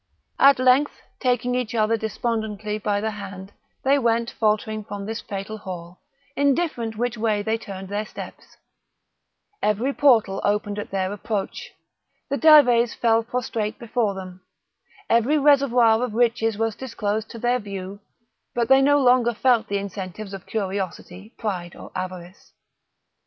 At length, taking each other despondingly by the hand, they went faltering from this fatal hall, indifferent which way they turned their steps; every portal opened at their approach; the Dives fell prostrate before them; every reservoir of riches was disclosed to their view; but they no longer felt the incentives of curiosity, pride, or avarice.